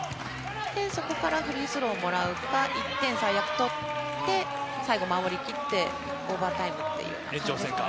そこからフリースローをもらうか、１点最悪取って、最後守りきって、オーバータイムっていうような感じですかね。